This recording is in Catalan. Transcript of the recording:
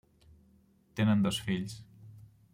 Tenen dos fills: